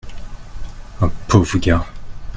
un pauvre gars.